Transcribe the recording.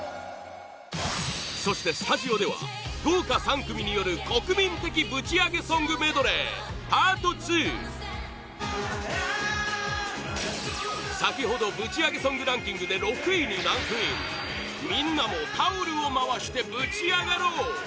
そして、スタジオでは豪華３組による国民的ぶちアゲソングメドレーＰａｒｔ２先ほど、ぶちアゲソングランキングで６位にランクインみんなもタオルを回してぶちアガろう！